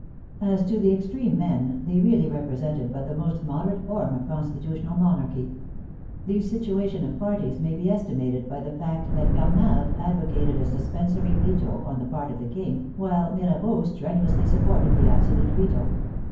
As to the extreme men, they really represented but the most moderate form of constitutional monarchy. The situation of parties may be estimated by the fact that Barnave advocated a suspensory veto on the part of the King, while Mirabeau strenuously supported the absolute veto.